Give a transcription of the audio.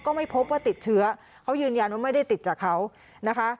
ก็ไม่พบว่าติดเชื้อเขายืนยันว่าไม่ได้ติดจากเขานะคะ